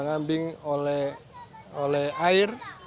mengambing oleh air